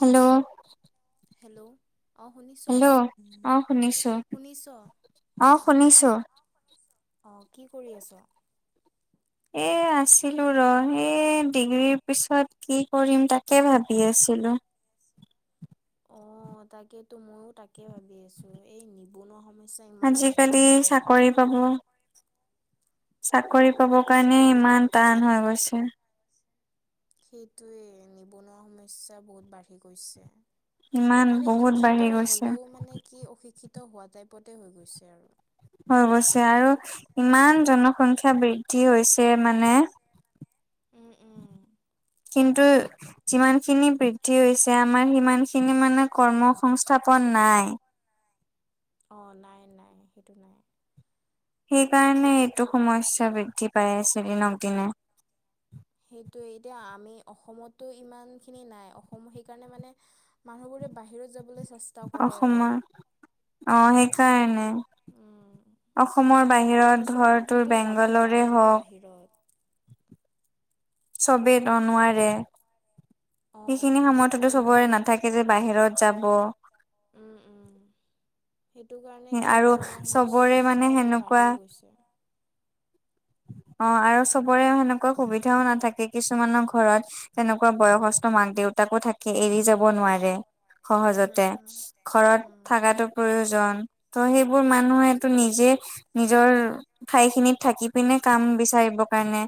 Hello hello অ শুনিছ hello অ শুনিছো শুনিছ অ অ শুনিছো, অ কি কৰি আছ। এই আছিলোঁ ৰ এই ডিগ্ৰীৰ পিছত কি কৰিম তাকে ভাবি আছিলোঁ অ তাকেইতো ময়ো তাকে ভাবি আছো এই নিবনুৱা সমস্যা ইমান বাঢ়ি আজিকালি গৈছে। চাকৰি পাব চাকৰি পাব কাৰণে ইমান টান হৈ গৈছে সেইটোৱে নিবনুৱা সমস্যা বহুত বাঢ়ি গৈছে। ইমান মানে বহুত শিক্ষিত বাঢ়ি গৈছে হ'লেও মানে কি অশিক্ষিত হোৱা টাইপতে হৈ গৈছে আৰু। হয় অৱশ্যে আৰু ইমান উম জনসংখ্যা বৃদ্ধি হৈছে মানে উম উম, কিন্তু যিমান খিনি বৃদ্ধি হৈছে আমাৰ সিমান খিনি মানে কৰ্ম সংস্থাপন নাই। অঁ নাই নাই সেইটো নাই। সেইকাৰণে এইটো সমস্যা বৃদ্ধি পাই আছে দিনক দিনে। সেইটোৱে এতিয়া আমি অসমতো ইমানখিনি নাই অসম সেইকাৰণে মানে মানুহবোৰে বাহিৰত যাবলৈ চেচ- অসমৰ অ সেইকাৰণে উম অসমৰ সেইকাৰণে আৰু বাহিৰত ধৰ কিছুমান তোৰ মানুহতো যাব বেংগলৰে নোৱাৰে ন হওক বাহিৰত। হা চবেইতো কি ক নোৱাৰে। অঁ অঁ সেইখিনি সময়টোতো সেইটোৱে চবৰে নোৱাৰে নাথাকে যে বাহিৰত যাব উম উম সেইটো কাৰণে কি আৰু নিবনুৱা চবৰে সমস্যা মানে সেনেকুৱা বাঢ়িও গৈছে। অ আৰু চবৰে সেনেকুৱা সুবিধাও নাথাকে কিছুমানৰ ঘৰত তেনেকুৱা বয়সস্থ মাক দেউতাকো থাকে এৰি যাব নোৱাৰে। উম সহজতে উম ঘৰত উম থকাটো প্ৰয়োজন। ত' সেইবোৰ মানুহটো নিজে নিজৰ ঠাই খিনিত থাকি পিনে কাম বিচাৰিব কাৰণে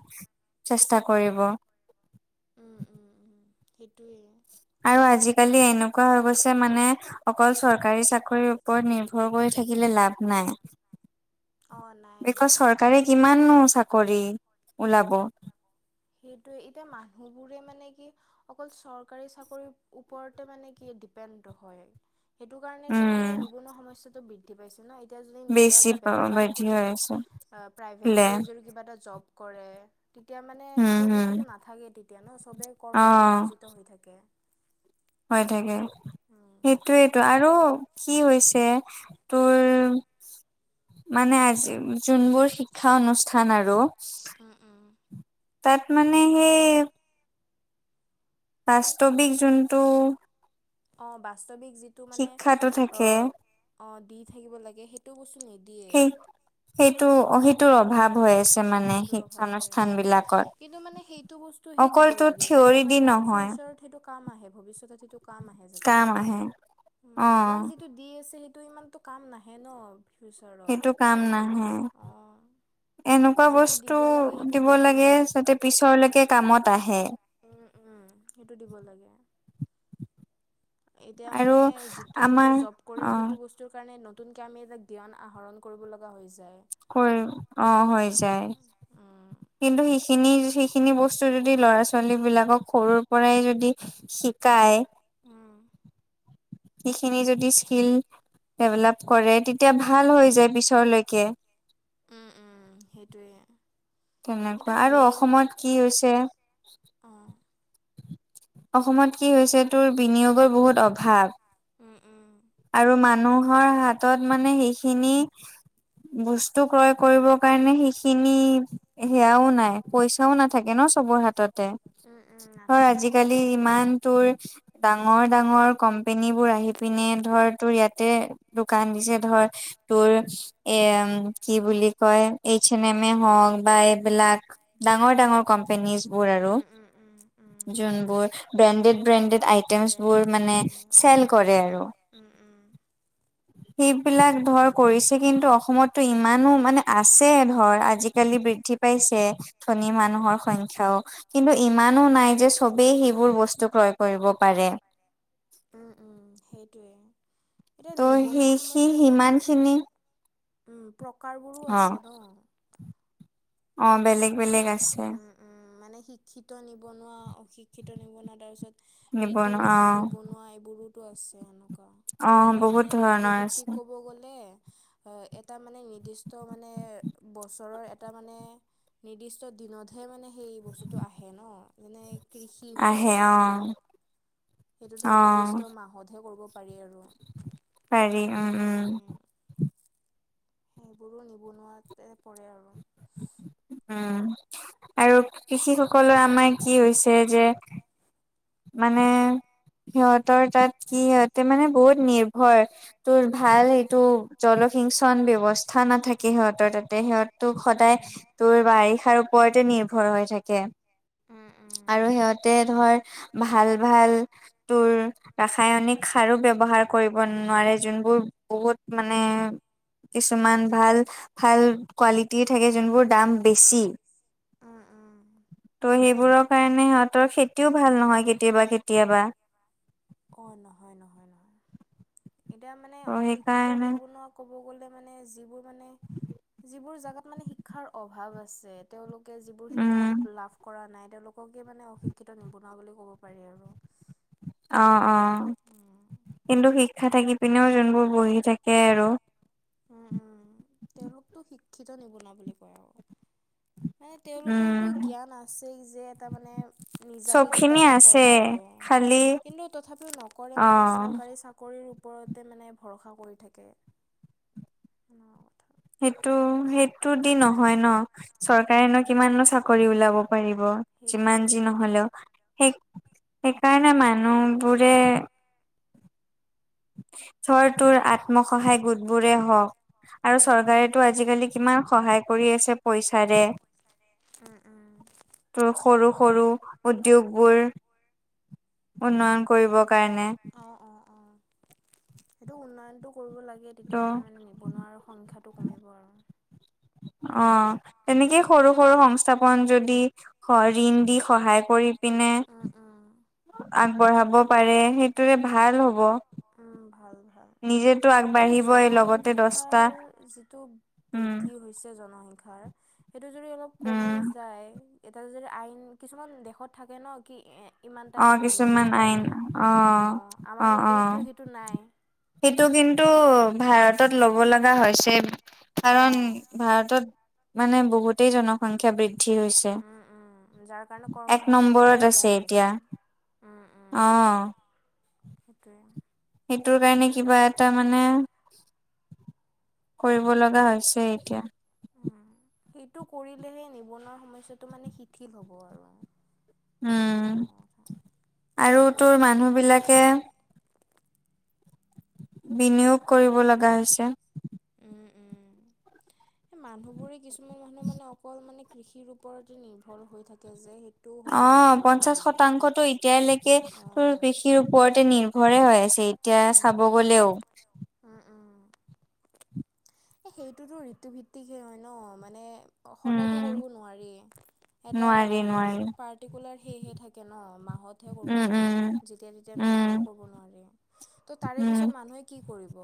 চেষ্টা কৰিব। উম উম উম সেইটোৱে। আৰু আজি-কালি এনেকুৱা হৈ গৈছে মানে অকল চৰকাৰী চাকৰিৰ ওপৰত নিৰ্ভৰ কৰি থাকিলে লাভ নাই। [inaudible] নাই বিকজ নাই চৰকাৰে কিমাননো চাকৰি ওলাব সেইটোৱে এতিয়া মানুহবোৰে মানে কি অকল চৰকাৰী চাকৰিৰ ওপৰতে মানে কি ডিপেণ্ডটো হয় সেইটো কাৰণেটো মানে উম নিবনুৱা সমস্যাটো বৃদ্ধি পাইছে ন এত- এতিয়া যদি নিজৰ বেছি এটা ব্যৱসায় বাধি হৈ খোলে আছে বোলে প্ৰাইভেটকে যদি কিবা এটা জব কৰে তেতিয়া মানে উম সেই হম বস্তুটো নাথাকে তেতিয়া ন চবেই অ কৰ্মত নিয়োজিত হৈ থাকে। হৈ থাকে উম সেইটোৱেইটো আৰু কি হৈছে তোৰ মানে আজি যোনবোৰ শিক্ষা অনুষ্ঠান আৰু, উ উ তাত মানে সেই- বাস্তৱিক যোনটো- অ বাস্তৱিক যি- টো মানে শিক্ষাটো অ থাকে অ দি থাকিব লাগে সেইটো বস্তু নিদিয়ে। সেই সেইটো অ হিত অ সেইটোৰ অভাৱ হৈ আছে বিলাকত। কিন্তু মানে সেইটো বস্তু স্তুহে দিব অকলতো লাগে যাতে থিয়ৰী দি মানে নহয় ফিউচাৰত সেইটো কাম আহে ভৱিষ্যতে সেইটো কাম আহে যাতে কাম আহে উম অ আমাক যিটো দি আছে সেইটো ইমানটো কাম নাহে ন ফিউচাৰত সেইটো কাম নাহে। অঁ এনেকুৱা যিটো বস্তু দিব লাগে সেইটো দিব দিয়া লাগে নাই যাতে পিছৰলেকে কামত আহে। উম উম সেইটো দিব লাগে এতিয়া আৰু মানে যিটো আমাৰ এতিয়া জব অ কৰিম সেইটো বস্ত সেইটো কাৰণে নতুনকে আমি এটা জ্ঞান আহৰণ কৰিব লগা হৈ যায় কৰিম অ হৈ অঁ যায় উম কিন্তু সেইখিনি সেইখিনি বস্তু যদি ল'ৰা ছোৱালী বিলাকক সৰুৰ পৰাই যদি শিকায় উম সিখিনি যদি স্কিল ডেভেলপ কৰে তেতিয়া ভাল হৈ যায় পিছলৈকে উম উম সেইটোয়ে তেনেকুৱা আৰু অসমত কি হৈছে অ অসমত কি হৈছে তোৰ বিনিয়োগৰ বহুত অভাৱ উম উম আৰু মানুহৰ হাতত মানে সেইখিনি বস্তু ক্ৰয় কৰিবৰ কাৰণে সেইখিনি সেয়াও নাই পইচাও নাথাকে ন চবৰ হাতত তে উম উম হয় নাথাকে আজিকালি নাথাকে ইমান তোৰ ডাঙৰ ডাঙৰ কম্পেনী বোৰ আহি পিনে ধৰ তোৰ ইয়াতে দোকান দিছে ধৰ তোৰ এম কি বুলি কয় এইজ এন ম হওক বা এইবিলাক ডাঙৰ ডাঙৰ কোম্পেনীজবোৰ আৰু উম উম উম উম যোনবোৰ ব্ৰেণ্ডেড ব্ৰেণ্ডেড আইটেমছ বোৰ ব্ৰেণ্ডেড মানে কোম্পেনী অ চেল কৰে আৰু উম উম সেইবিলাক ধৰ কৰিছে কিন্তু অসমটো ইমানো মানে আছে ধৰ আজিকালি বৃদ্ধি পাইছে ধনী মানুহৰ সংখ্যাও কিন্তু ইমানো নাই যে সবেই সেইবোৰ বস্তু ক্ৰয় কৰিব পাৰে উম উম সেইটোয়ে এতিয়া ত' নিবনুৱা সেই সি সমস্যাটো সিমান খিনি প্ৰকাৰবোৰো অ আছে ন অ বেলেগ বেলেগ আছে বেলেগ উম মানে শিক্ষিত নিবনুৱা অশিক্ষিত নিবনুৱা তাৰপিছত ঋতু নিবনুৱা ভিত্তিক অ নিবনুৱা এইবোৰোতো আছে হেনক ক অ এতিয়া বহুত মানে ঋতু ধৰণৰ ভিত্তিক আছে ক'ব গ'লে এটা মানে নিৰ্দিষ্ট মানে বছৰৰ এটা মানে নিৰ্দিষ্ট দিনতহে মানে সেই বস্তুটো আহে ন যেনে কৃষি হওক আহে অ সেনেকুৱা সেইটোতো অ নিৰ্দিষ্ট মাহতহে কৰিব পাৰি আৰু পাৰি উম উম সেইবোৰো নিবনুৱাতে পৰে আৰু উম আৰু কৃষি সকলৰ আমাৰ কি হৈছে যে মানে সিহঁতৰ তাত কি সিহতে মানে বহুত নিৰ্ভ তোৰ ভাল এইটো জলসিঞ্চন ব্যৱস্থা নাথাকে সিহঁতৰ তাতে সিহঁতো সদায় তোৰ বাৰিষাৰ ওপৰতে নিৰ্ভৰ হৈ থাকে আৰু সিহঁতে ধৰ ভাল ভাল তোৰ ৰাসায়নিক সাৰো ব্যৱহাৰ কৰিব নোৱাৰে যোনবোৰ বহুত মানে কিছুমান ভাল ভাল কোৱালিটি থাকে যোনবোৰ দাম বেছি ত সেইবোৰৰ কাৰণে হেহতিৰ খেতিও ভাল নহয় কেতিয়াবা কেতিয়াবা। অ নহয় নহয় নহয় এতিয়া মানে ত' অশিক্ষিত সেইকাৰণে নিবনুৱা, ক'ব গ'লে মানে যিবোৰ মানে যিবোৰ জেগাত মানে শিক্ষাৰ অভাৱ আছে তেওঁলোক, যিবোৰ শিক্ষা উম লাভ কৰা নাই তেওঁলোককে মানে অশিক্ষিত নিবনুৱা বুলি ক'ব পাৰি আৰু অ অ উম কিন্তু শিক্ষা থাকি পিনেও যোনবোৰ বহি থাকে আৰু উম উম তেওঁলোকতো শিক্ষিত নিবনুৱা বুলি কয় আৰু মানে উম, তেওঁলোকৰতো জ্ঞান আছেই যে তাৰ মানে চব নিজাকে কিবা খিনি এটা, আছে কৰা আৰু খালি কিন্তু তথাপিও নকৰে মানে অ', চৰকাৰী চাকৰি, চাকৰিৰ ওপৰতে মানে ভৰসা কৰি থাকে। হেনকা কথা। সেইটো সেইটো দি নহয় ন। চৰকাৰেনো উম। কিমাননো চাকৰি ওলাব পাৰিব যিমান সেইটোৱে। যি নহলেও, সেই সেইকাৰণে মানুহবোৰে। ধৰ তোৰ আত্মসহায় গোটবোৰে হওক, আৰু উম উম চৰকাৰেতো আজিকালি কিমান সহায় কৰি আছে। পইচাৰে। উম উম ত সৰু সৰু উদ্যয়গবোৰ। সেইটোয়ে কাৰণে অ অ অ, সেইটো উন্নয়নতটো কৰিব লাগে ত' তেতিয়াহে মানে নিবনুৱাৰ সংখ্যাটো কমিব আৰু অ তেনেকেই সৰু সৰু সংস্থাপন যদি। হয় ঋণ দি সহায় কৰি পিনে। উম উম। আগবঢ়াব পাৰে সেইটোৰে ভাল হ'ব। উম ভাল, নিজেতো এ আগবাঢ়িবই লগতে দছটা জনসংখ্যাৰ যিটো উম বৃদ্ধি জনসংখ্যা সেইটো যদি অলপ উম কমি যায়। এতিয়া যদি আইন কিছুমান দেশত থাকে ন কি এ ইমান অ তাহে জন্ম, দিব কিছুমান আইন পাৰি অ অঁ আমাৰ অ অ, ইয়াতেতো সেইটো নাই সেইটো কিন্তু অঁ ভাৰতত লব লগা হৈছে কাৰণ, অঁ ভাৰতত মানে বহুতেই জন, সংখ্যা বৃদ্ধি হৈছে হৈছে। যাৰ কাৰণে কৰ্ম এক সংস্থাপন নম্বৰত নাইকিয়া আছে হৈ গৈছে এতিয়া। উম, উম। অ, সেইটোৱে, সেইটোৰ কাৰণে কিবা এটা মানে। কৰিব লগা হৈছে এতিয়া। সেইটো কৰিলেহে নিবনুৱা সমস্যাটো মানে শিথিল হ'ব আৰু উম উম আৰু তোৰ মানুহবিলাকে। বিনিয়োগ কৰিব লগা হৈছে। সেই মানুহবোৰেই কিছুমান মানুহ মানে অকল মানে। কৃষিৰ ওপৰতে নিৰ্ভৰ হৈ থাকে যে সেই, অ পঞ্চাশ শতাংশটো এতিয়ালৈকে অ তোৰ কৃষিৰ ওপৰতে নিৰ্ভ ঘৰে হৈ আছে এতিয়া উম চাব উম গ'লেও, উম উম, এ সেইটোতো ঋতু ভিত্তিকহে হয় ন মানে উম, সদায়তো কৰিব নোৱাৰিয়ে। এটা নোৱাৰি নোৱাৰি পাৰ্টিকুলাৰ সেহে থাকে ন মাহতহে কৰিব উম, পাৰি। উম, যেতিয়া তেতিয়া নক উম, কৰিব নোৱাৰি ত তাৰে উম, পিছত মানুহে কি, কৰিব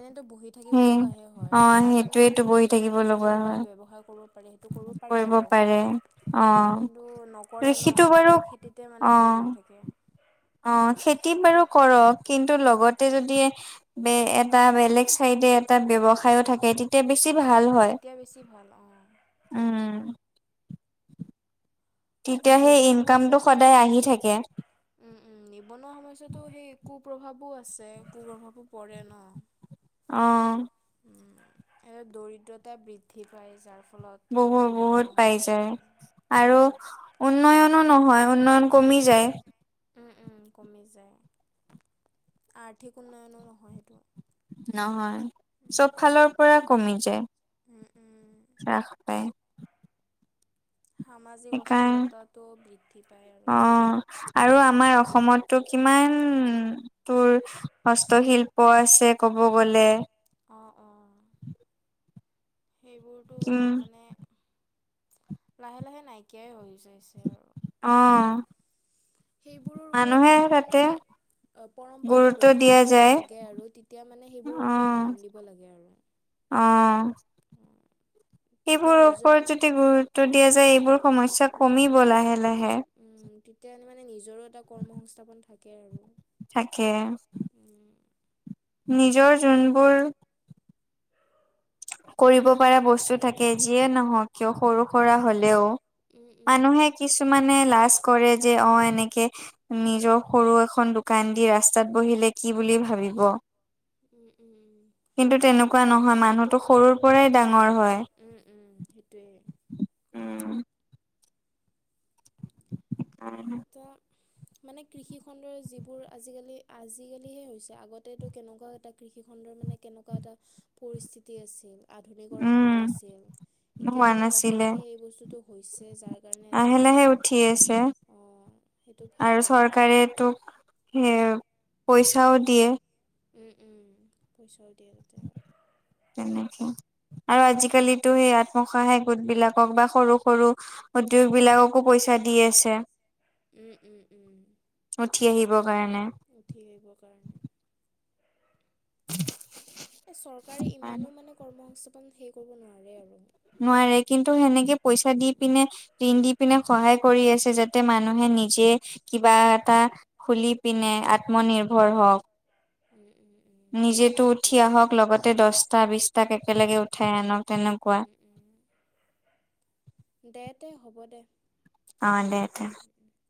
এনেতো বহি থাকিব সেই লগা হে হয় অ', তাৰ কাৰণে সেইটোৱেতো য বহি বেলেগ থাকিব নিজৰে লগা কিবা হয় এটা ব্যৱসায় কৰিব পাৰে সেইটো কৰিব পাৰে আৰু অ', কিন্তু নকৰে ন কৃষিটো বাৰু অকল খেতিতে মানে সেই অ', কৰি থাকে অ খেতি বাৰু কৰক কিন্তু উম, লগতে যদি ব এটা বেলেগ চাইডে এটা ব্যৱসায় ও থাকে তেতিয়া বেছি অঁ ভাল হয়। তেতিয়া বেছি ভাল অঁ উম, তেতিয়া সেই নিবনুৱা ইনকামটো সমস্যা টো সদায় আহি থাকে। আহ ওম ওম নিবনুৱা সমস্যাতটো সেই কু প্ৰভাৱো আছে কুপভাৱো পৰে ন [inaudible] অঁ দৰিদ্ৰতা বৃদ্ধি পায় যাৰ ফলত ফলত বহুত এইটো বহুত নিবনুৱা পাই সমস্যাৰ যায় সে হয় আৰু উন্নয়নো নহয় উন্নয়ন কমি যায় ওম ওম কমি যায় আৰ্থিক উন্নয়নো নহয় সেইটো নহয় চব উম, ফালৰ পৰা কমি যায় উম, উম। হাস পায় সামাজিক সেইকাৰ অস্থিৰতাটো বৃদ্ধি পায় আৰু এনেুৱা অ', আৰু আমাৰ অসমতটো কিমান তোৰ হস্তশিল্প আছে তে ক'ব গ'লে অঁ অঁ সেইবোৰতো কিম মানে লাহে লাহে নাইকিয়াই হৈ যাইছে আৰু অ', সেইবোৰৰ ওপৰত মানুহে যদি তাতে মানে পৰম্পৰাটো গুৰুত্ব লক্ষ্য দিয়া কৰিব যায় লাগে আৰু তেতিয়া মানে সেইবোৰৰ ওপৰত অ', ধ্যান দিব লাগে আৰু অ উ এইবোৰৰ ওপৰত যদি গুৰুত্ব দিয়া যায় এইবোৰ সমস্যা কমিব লাহে লাহে উম তেতিয়া মানে নিজৰো এটা কৰ্ম সংস্থাপন থাকে আৰু থাকে উম নিজৰ যোনবোৰ কৰিব পৰা বস্তু থাকে যিয়ে নহওক কিয় সৰু সুৰা হলেও উম উম মানুহে কিছুমানে লাজ কৰে যে অ এনেকে নিজৰ সৰু এখন দোকান দি ৰাস্তাত বহিলে কি বুলি ভাবিব উম উম উম কিন্তু তেনেকুৱা নহয় মানুহতো তেনেকুৱা সৰুৰ নহয় পৰাই ডাঙৰ হয় উম উম সেইটোৱে উম এটিয়া মানে কৃষিখণ্ডৰ যিবোৰ আজিকালি আজিকালিহে হৈছে আগতেতো কেনেকুৱাও এটা কৃষিখণ্ডৰ মানে কেনেকা এনেকুৱা এটা পৰিস্থিতি আছিল আধুনিকৰণ হোৱা উম নাছিল এতিয়া হোৱা মানে লাহে নাছিলে লাহে এই বস্তুটো হৈছে যাৰ সেই কাৰণে এটা লাহে মানে লাহে উঠি আছে অঁ সেইটো আৰু ভাল চৰকাৰে তোক সেই পইচাও দিয়ে উম উম পইচাও দিয়ে তাতে তেনেকে আৰু আজিকালিতো সেই আত্মসহায় গোট বিলাক [unintelligible] বা সৰু সৰু উদ্যোগ বিলাককো পইচা দি আছে উম উম উম উঠি আহিবৰ কাৰণে। উঠি আহিবৰ কাৰণে এই চৰ চৰকাৰী ইমানো মানে কৰ্ম সংস্থাপন হেৰি কৰিব নোৱাৰে আৰু নোৱাৰে কিন্তু সেনেকে পইচা দি উম পিনে ঋণ দি পিনে সহায় কৰি আছে যাতে মানুহে নিজে কিবা এটা খুলি পিনে আত্মনিৰ্ভৰ হওঁক। উম, উম, উম। নিজেতো উঠি সেইটোৱে আহক লগতে দশটা বিচটা কে একেলগে উঠাই আনক তেনেকা। উম, উম, দে দে হ'ব দে। অ' দে তেয় [unintelligible]